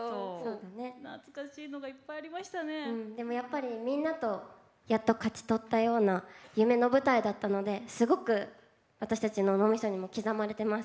懐かしいのがでもみんなとやっと勝ち取ったような夢の舞台だったのですごく私たちの脳みそにも刻まれてます。